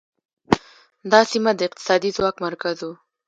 دا سیمه د اقتصادي ځواک مرکز و